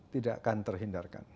tidak akan terhindarkan